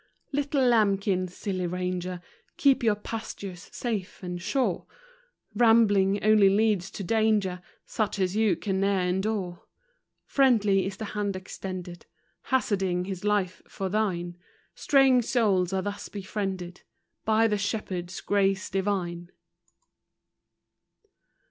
Little lambkin, silly ranger, Keep your pasture safe and sure ; Rambling only leads to danger, Such as you can ne'er endure. Friendly is the hand extended, Hazarding his life for thine.— Straying souls are thus befriended, By the Shepherd's grace divine.